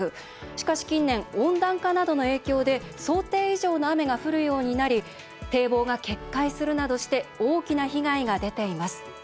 しかし近年、温暖化などの影響で想定以上の雨が降るようになり堤防が決壊するなどして大きな被害が出ています。